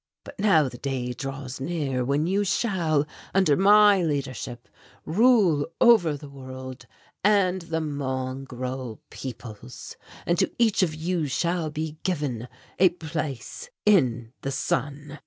But now the day draws near when you shall, under my leadership, rule over the world and the mongrel peoples. And to each of you shall be given a place in the sun."